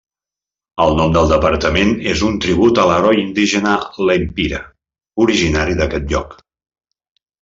El nom del departament és un tribut a l'heroi indígena Lempira originari d'aquest lloc.